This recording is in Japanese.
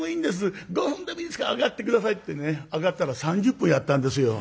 ５分でもいいですから上がって下さい」ってね上がったら３０分やったんですよ。